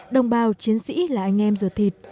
đồng bào chiến sĩ là anh em ruột thịt